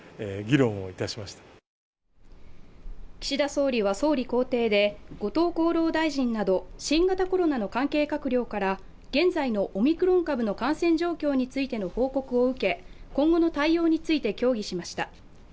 岸田総理は総理公邸で、後藤厚労大臣らと新型コロナの関係閣僚から現在のオミクロン株の感染状況についての報告を受け、今後の対応について協議しました。